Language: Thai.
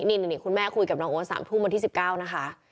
นี่คุณแม่คุยกับน้องโอ๊ต๓ทุ่มวันที่๑๙นะคะ